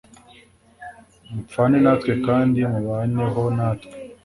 mupfane natwe kandi mubaneho natwe